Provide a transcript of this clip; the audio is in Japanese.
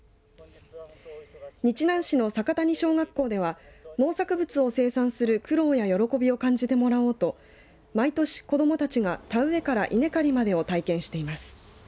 日南市の酒谷小学校では農作物を生産する苦労や喜びを感じてもらおうと毎年、子どもたちが田植えから稲刈りまでを体験しています。